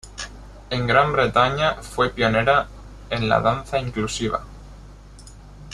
En Gran Bretaña, fue pionera en la danza inclusiva.